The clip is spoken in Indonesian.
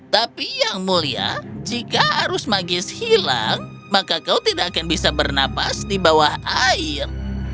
tapi yang mulia jika arus magis hilang maka kau tidak akan bisa bernapas di bawah air